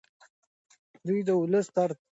دی د ولس درد په خپلو لیکنو کې راوړي.